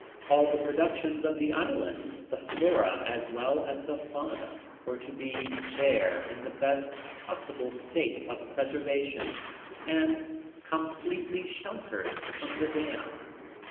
All the productions of the island, the flora as well as the fauna, were to be there in the best possible state of preservation, and completely sheltered from the damp.